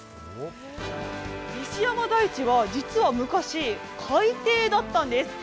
西山台地は実は昔、海底だったんです。